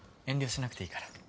遠慮しなくていいから。